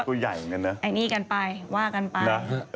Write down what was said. ตัวใหญ่เหมือนกันนะไอ้นี่กันไปว่ากันไปนะฮะ